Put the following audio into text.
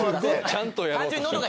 ちゃんとやろうとしてる。